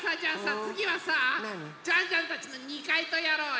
つぎはさジャンジャンたちの２かいとやろうよ。